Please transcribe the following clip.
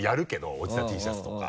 おじたＴシャツとか。